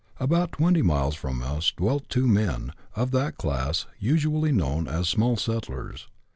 About twenty miles from us dwelt two men, of that class usually known as small settlers.